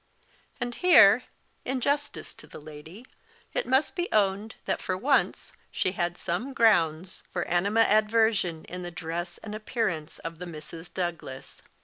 And here, in justice to the lady, it must be owned that, for once, she had some grounds for animadversion in the dress and appearance of the Misses Douglas.